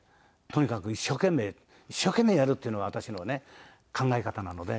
とにかく一生懸命一生懸命やるっていうのが私のね考え方なので。